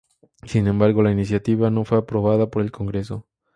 Sin embargo, la iniciativa no fue aprobada por el Congreso.